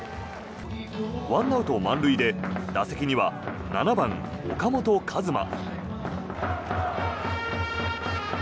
１アウト満塁で打席には７番、岡本和真。